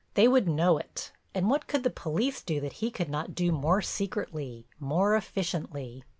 They would know it, and what could the police do that he could not do more secretly, more efficiently?